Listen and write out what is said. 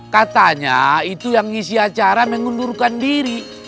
katanya itu yang ngisi acara mengundurkan diri